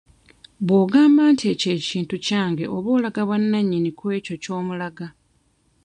Bw'ogamba nti ekyo kintu kyange oba olaga bwannanyini kw'ekyo ky'omulaga.